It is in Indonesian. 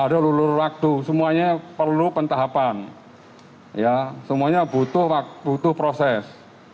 hai ada lulu waktu semuanya perlu pentahapan ya semuanya butuh waktu butuh proses